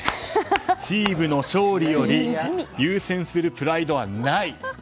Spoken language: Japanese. チームの勝利より優先するプライドはない。